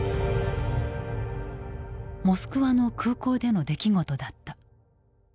モスクワの空港での出来事だった。